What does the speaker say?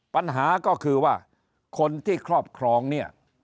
ปัญหาก็คือว่าคนที่ครอบครองเนี่ย